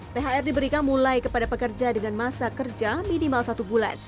thr diberikan mulai kepada pekerja dengan masa kerja minimal satu bulan